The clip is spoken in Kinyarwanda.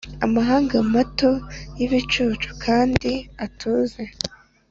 amahanga mato yibicucu, kandi atuze